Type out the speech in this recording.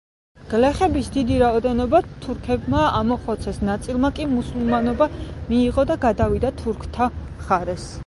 გლეხების დიდი რაოდენობა თურქებმა ამოხოცეს, ნაწილმა კი მუსულმანობა მიიღო და გადავიდა თურქთა მხარეს.